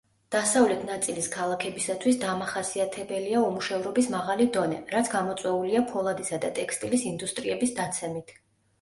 დასავლეთ ნაწილის ქალაქებისათვის დამახასიათებელია უმუშევრობის მაღალი დონე, რაც გამოწვეულია ფოლადისა და ტექსტილის ინდუსტრიების დაცემით.